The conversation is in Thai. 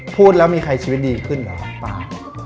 พูดแล้วมีใครชีวิตดีขึ้นเหรอป้า